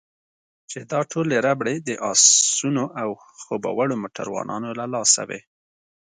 چې دا ټولې ربړې د اسونو او خوب وړو موټروانانو له لاسه وې.